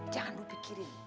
jangan lu pikirin